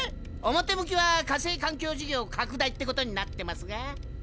表向きは「火星環境事業拡大」ってことになってますが。